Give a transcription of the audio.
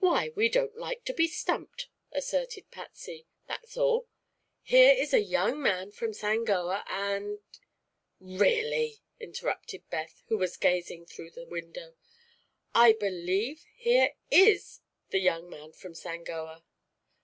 "Why, we don't like to be stumped," asserted Patsy, "that's all. Here is a young man from Sangoa, and " "Really," interrupted Beth, who was gazing through the window, "I believe here is the young man from Sangoa!"